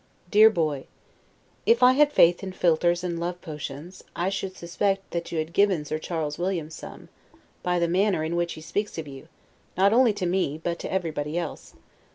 DEAR BOY: If I had faith in philters and love potions, I should suspect that you had given Sir Charles Williams some, by the manner in which he speaks of you, not only to me, but to everybody else.